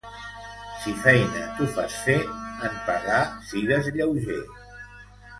Si feina tu fas fer, en pagar sigues lleuger.